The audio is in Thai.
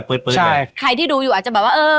ใครที่ดูอยู่อาจจะแบบว่าเออ